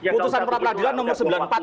putusan perapradilan nomor sembilan puluh empat